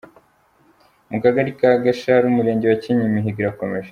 Mu kagari ka Gasharu, Umurenge wa Kinyinya imihigo irakomeje.